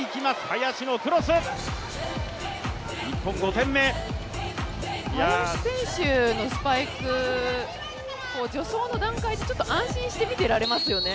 林選手のスパイク、助走の段階でちょっと安心して見ていられますよね。